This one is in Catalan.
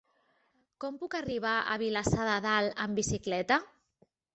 Com puc arribar a Vilassar de Dalt amb bicicleta?